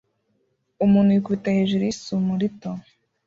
Umuntu yikubita hejuru yisumo rito